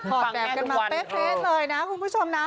พ่อมะมันเอามาเปร้ทเลยนะคุณผู้ชมนะ